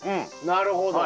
なるほど。